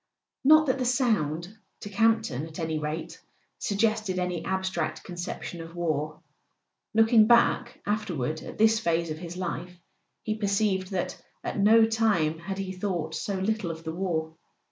Not that the sound, to Camp ton at any rate, sug¬ gested any abstract conception of war. Looking back afterward at this phase of his life he perceived that at no time had he thought so little of the war.